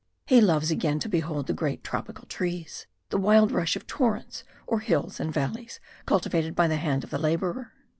He loves again to behold the great tropical trees, the wild rush of torrents or hills and valleys cultivated by the hand of the labourer.